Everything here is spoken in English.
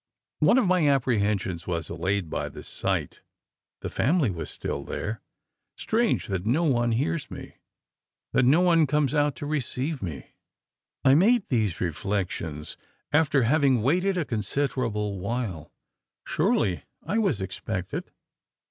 One of my apprehensions was allayed by the sight: the family was still there. "Strange that no one hears me! that no one comes out to receive me!" I made these reflections, after having waited a considerable while. "Surely I was expected?